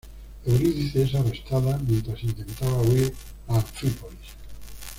Eurídice es arrestada, mientras intentaba huir a Anfípolis.